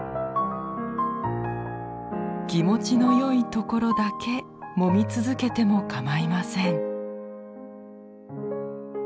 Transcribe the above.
気持ちのよい所だけもみ続けても構いません。